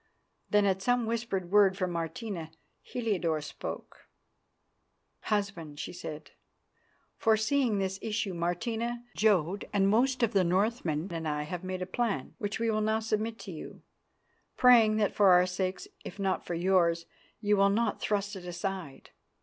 Then, at some whispered word from Martina, Heliodore spoke. "Husband," she said, "foreseeing this issue, Martina, Jodd, and most of the Northmen and I have made a plan which we now submit to you, praying that for our sakes, if not for yours, you will not thrust it aside.